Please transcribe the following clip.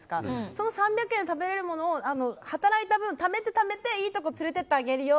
その３００円で食べられるものを働いた分、ためていいとこに連れていってあげるよ。